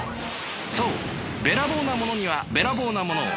そうべらぼうなものにはべらぼうなものを。